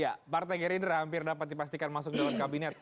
ya partai gerindra hampir dapat dipastikan masuk dalam kabinet